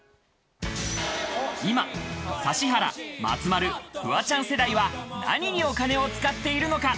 今、指原、松丸、フワちゃん世代は何にお金を使っているのか？